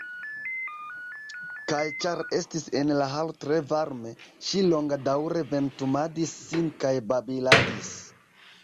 Kaj ĉar estis en la halo tre varme, ŝi longadaŭre ventumadis sin kaj babiladis.